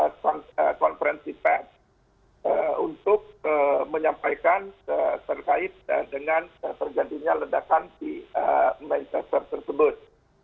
dan konferensi ped untuk menyampaikan terkait dengan terjadinya ledakan di manchester tersebut